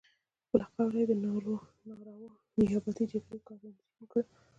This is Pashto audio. خپله خاوره یې د ناروا نیابتي جګړې ګارنیزیون کړه.